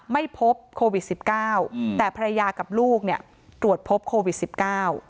ไม่พบโควิดสิบเก้าอืมแต่ภรรยากับลูกเนี่ยตรวจพบโควิดสิบเก้า